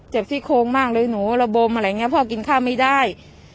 ซี่โครงมากเลยหนูระบมอะไรอย่างนี้พ่อกินข้าวไม่ได้